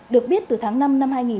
được biết từ tháng năm năm hai nghìn ba